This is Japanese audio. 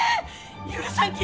許さんき！